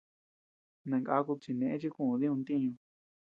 Nangakud chi neʼe chi kuʼuu diuu ntiñu.